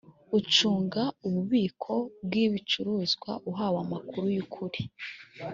ucunga ububiko bw’ibicuruzwa uhawe amakuru y’ukuri